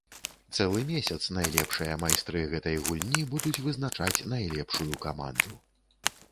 Цэлы месяц найлепшыя майстры гэтай гульні будуць вызначаць найлепшую каманду.